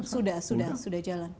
sudah sudah jalan